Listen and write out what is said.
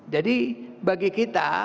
jadi bagi kita